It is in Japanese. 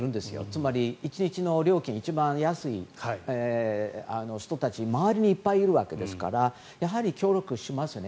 つまり、１日の料金一番安い人たちが周りにいっぱいいるわけですからやはり協力しますよね。